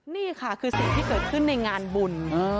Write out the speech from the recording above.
นี่ค่ะคือสิ่งที่เกิดขึ้นในงานบุญ